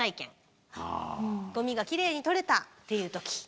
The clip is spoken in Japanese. ゴミがきれいに取れたっていう時。